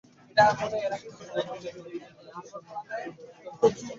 Steamer তখন পূর্ণবেগে চলিতেছিল এবং সেই মুহূর্তেই নদীর বাঁকের অন্তরালে প্রবেশ করিয়াছিল।